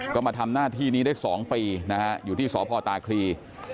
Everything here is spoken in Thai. ก็มาทำหน้าที่นี้ได้๒ปีนะฮะอยู่ที่สพตาคลี